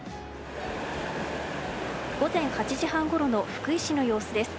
午前８時半ごろの福井市の様子です。